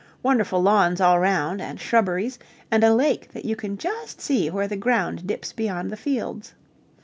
Wonderful lawns all round, and shrubberies and a lake that you can just see where the ground dips beyond the fields.